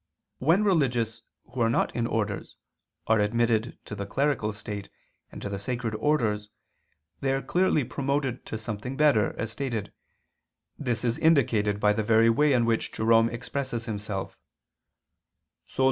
When religious who are not in orders are admitted to the clerical state and to the sacred orders, they are clearly promoted to something better, as stated: this is indicated by the very way in which Jerome expresses himself: "So live in the monastery as to deserve to be a clerk."